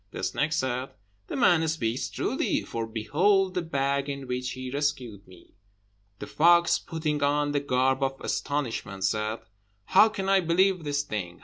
The snake said, "The man speaks truly, for behold the bag in which he rescued me." The fox, putting on the garb of astonishment, said, "How can I believe this thing?